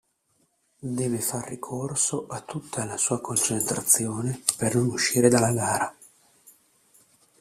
Deve far ricorso a tutta la sua concentrazione per non uscire dalla gara.